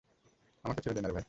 আমাকে ছেড়ে দে নারে ভাই।